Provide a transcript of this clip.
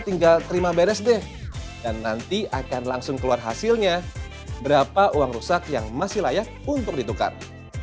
tinggal terima beres deh dan nanti akan langsung keluar hasilnya berapa uang rusak yang masih layak untuk ditukar